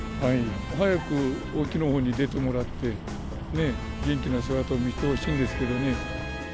早く沖のほうに出てもらって、元気な姿を見せてほしいんですけどね。